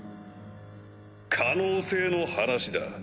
可能性の話だ。